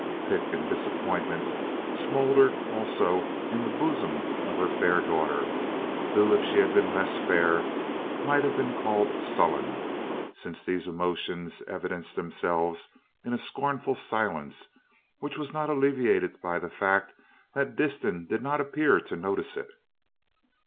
Pique and disappointment smouldered also in the bosom of her fair daughter, who, if she had been less fair, might have been called sullen, since these emotions evidenced themselves in a scornful silence, which was not alleviated by the fact that Disston did not appear to notice it.